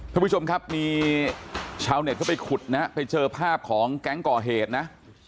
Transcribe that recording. ทุกผู้ชมครับชาวเน็ตไปขุดไปเจอภาพของแก๊งก่อเหตุนะ